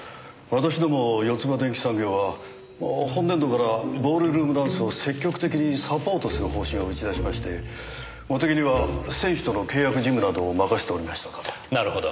私どもヨツバ電機産業は本年度からボールルームダンスを積極的にサポートする方針を打ち出しまして茂手木には選手との契約事務などを任せておりましたから。